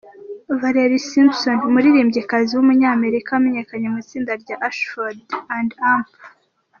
Valerie Simpson, umuririmbyikazi w’umunyamerika wamenyekanye mu itsinda rya Ashfold &.